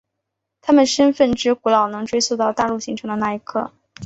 他们身份之古老能追溯到大陆形成的那一刻。